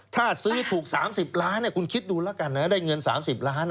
ถ้าซื้อถูก๓๐ล้านคุณคิดดูแล้วกันนะได้เงิน๓๐ล้าน